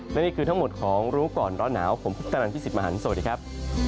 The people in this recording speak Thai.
และนี่คือทั้งหมดของรู้ก่อนร้อนหนาวผมพุทธนันพี่สิทธิมหันฯสวัสดีครับ